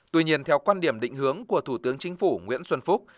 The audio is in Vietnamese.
tuy nhiên theo quan điểm định hướng của thủ tướng chính phủ nguyễn xuân phúc